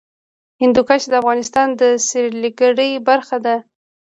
هندوکش د افغانستان د سیلګرۍ برخه ده.